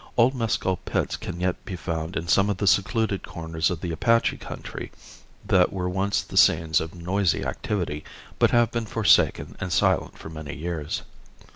Old mescal pits can yet be found in some of the secluded corners of the Apache country that were once the scenes of noisy activity, but have been forsaken and silent for many years.